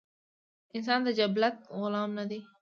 انسان د جبلت غلام نۀ دے